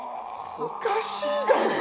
おかしいだろ。